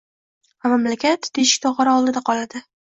va mamlakat «teshik tog‘ora» oldida qoladi.